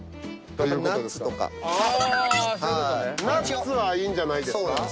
ナッツはいいんじゃないですか。